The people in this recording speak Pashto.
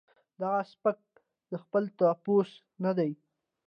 دغه سپک د خپل تپوس نۀ دي